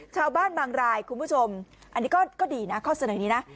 ชาวบ้านบางรายคุณผู้ชมอันนี้ก็ดีนะข้อเสนอนี้นะ